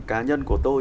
cá nhân của tôi